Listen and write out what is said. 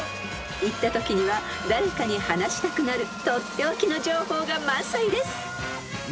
［行ったときには誰かに話したくなる取って置きの情報が満載です］